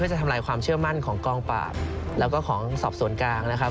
จะทำลายความเชื่อมั่นของกองปราบแล้วก็ของสอบสวนกลางนะครับ